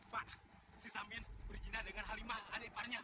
pak si samir bergina dengan halimah adik iparnya